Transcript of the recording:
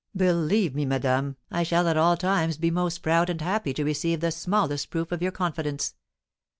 '" "Believe me, madame, I shall at all times be most proud and happy to receive the smallest proof of your confidence.